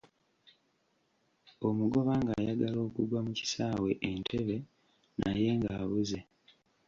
Omugoba ng'ayagala okugwa mu kisaawe e Ntebe, naye ng'abuze.